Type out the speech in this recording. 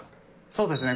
そうですね。